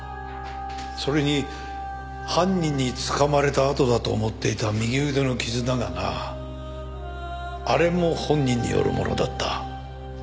それに犯人につかまれた痕だと思っていた右腕の傷だがなあれも本人によるものだった。